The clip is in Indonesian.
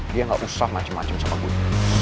dia gak usah macem macem sama gue